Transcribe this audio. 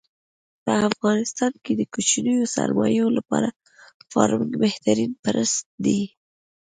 په افغانستان کې د کوچنیو سرمایو لپاره فارمنګ بهترین پرست دی.